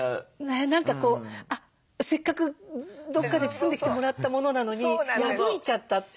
何かこうせっかくどっかで包んできてもらったものなのに破いちゃった。